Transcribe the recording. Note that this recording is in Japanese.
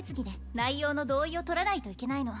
内容の同意を取らないといけないの